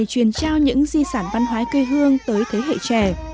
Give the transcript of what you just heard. điền trao những di sản văn hóa cây hương tới thế hệ trẻ